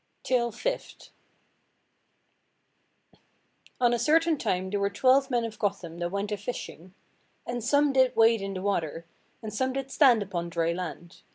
TALE FIFTH. On a certain time there were twelve men of Gotham that went a–fishing; and some did wade in the water, and some did stand upon dry land.